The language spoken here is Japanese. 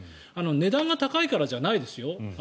値段が高いからじゃないですよ。